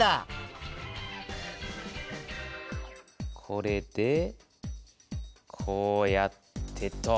これでこうやってと。